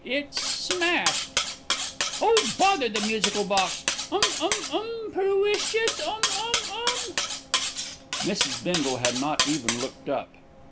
"It's smashed." "Oh, bother the musical box! Um um um per weshus um um um." Mrs. Bindle had not even looked up.